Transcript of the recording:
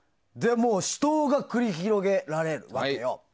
死闘が繰り広げられるわけよ。